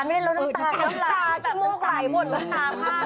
มิตรกล้ามกลางอากาศเลยนะ